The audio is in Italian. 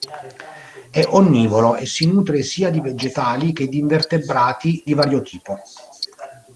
È onnivoro e si nutre sia di vegetali che di invertebrati di vario tipo.